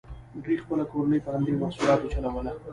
دوی خپله کورنۍ په همدې محصولاتو چلوله.